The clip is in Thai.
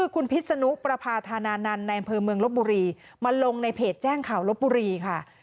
คุณพิษนุประพาธานานันต์ในอำเภอเมืองลบบุรีมาลงในเพจแจ้งข่าวลบบุรีค่ะ